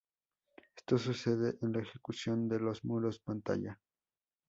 Esto sucede en la ejecución de los muros pantalla.